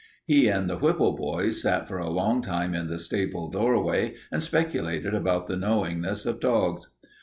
He and the Whipple boys sat for a long time in the stable doorway and speculated about the knowingness of dogs.